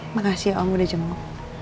makasih om udah jempol